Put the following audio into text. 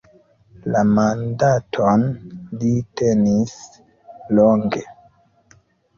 La mandaton li tenis longe.